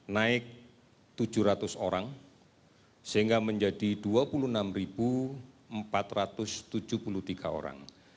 naik tujuh ratus orang sehingga menjadi dua puluh enam empat ratus tujuh puluh tiga orang